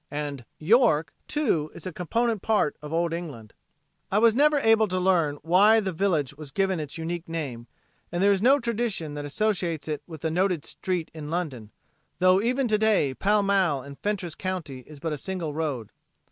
And "York" too is a component part of old England. I was never able to learn why the village was given its unique name and there is no tradition that associates it with the noted street in London, though even to day Pall Mall in Fentress county is but a single road.